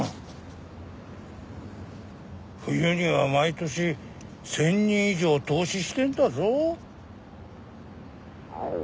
冬には毎年１０００人以上凍死してんだぞ。